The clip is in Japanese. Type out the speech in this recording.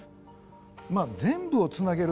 まあ全部を繋げる。